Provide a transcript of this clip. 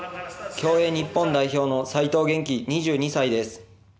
競泳日本代表の齋藤元希、２２歳です。